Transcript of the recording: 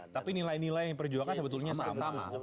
tapi nilai nilai perjuangan sebetulnya sama